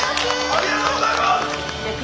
ありがとうございます！